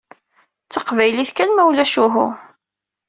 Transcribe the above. D taqbaylit kan mulac uhu!